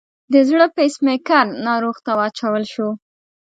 د زړه پیس میکر ناروغ ته واچول شو.